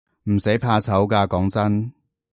唔使怕醜㗎，講真